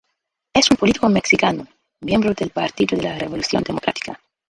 Es un político mexicano, miembro del Partido de la Revolución Democrática.